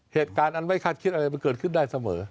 เหตุการณ์อันไม่คาดคิดอะไรมันเกิดขึ้นได้เสมอ